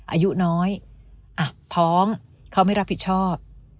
อายุน้อยอ่ะท้องเขาไม่รับผิดชอบ